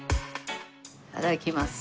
いただきます。